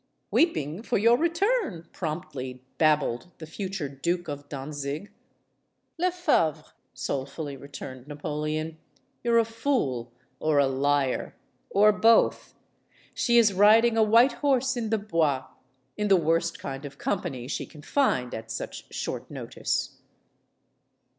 "Weeping for your return," promptly babbled the future Duke of Dantzig. "Lefebvre," soul fully returned Napoleon, "you're a fool or a liar! Or both. She is riding a white horse in the Bois, in the worst kind of company she can find at such short notice."